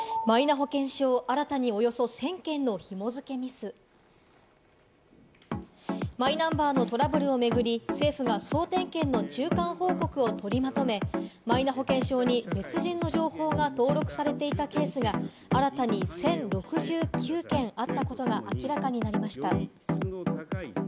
マイナ保険証を新たにおよそ１０００件の紐付けミス、マイナンバーのトラブルを巡り、政府が総点検の中間報告を取りまとめ、マイナ保険証に別人の情報が登録されていたケースが新たに、１０６９件あったことが明らかになりました。